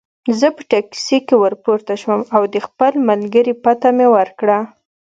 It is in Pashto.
زه په ټکسي کې ورپورته شوم او د خپل ملګري پته مې ورکړه.